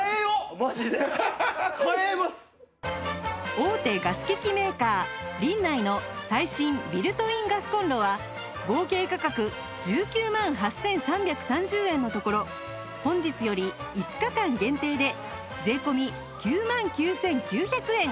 大手ガス機器メーカーリンナイの最新ビルトインガスコンロは合計価格１９万８３３０円のところ本日より５日間限定で税込９万９９００円